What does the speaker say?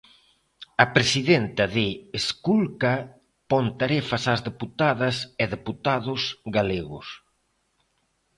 A presidenta de Esculca pon tarefas ás deputadas e deputados galegos.